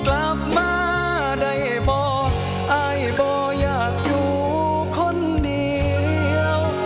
กลับมาได้บ่อายบ่ออยากอยู่คนเดียว